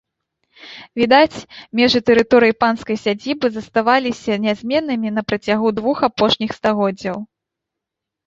Відаць, межы тэрыторыі панскай сядзібы заставаліся нязменнымі на працягу двух апошніх стагоддзяў.